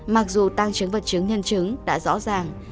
mặc dù tăng chứng vật chứng nhân chứng đã rõ ràng